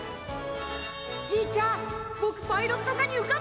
じいちゃんぼくパイロット科に受かったよ！